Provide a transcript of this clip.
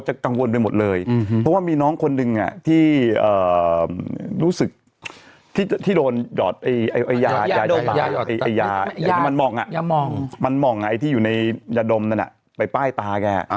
มันเหมาะไงอันที่อยู่ในยาดมนั้นน่ะไปป้ายตาแก